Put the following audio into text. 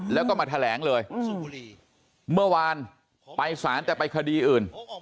แล้วก็มาแถลงเลยเมื่อวานไปสารแต่ไปคดีอื่น